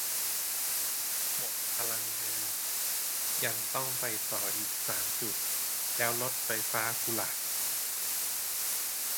หมดพลังงาน ยังต้องไปต่ออีกสามจุด แล้วรถไฟฟ้ากูล่ะ